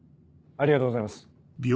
ありがとうございます。